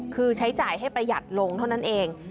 คือใช้จ่ายให้ประหยัดลงเท่านั้นเอง